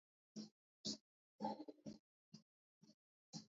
იგი იყო პირველი ვოკალურ-ინსტრუმენტული ანსამბლი მთელ საბჭოთა კავშირში.